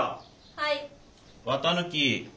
はい。